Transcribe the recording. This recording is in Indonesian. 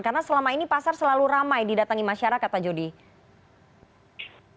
karena selama ini pasar selalu ramai didatangi masyarakat pak jody